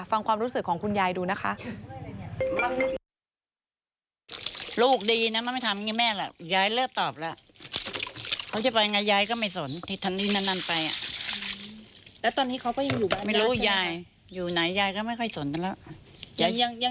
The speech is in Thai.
ฟังความรู้สึกของคุณยายดูนะคะ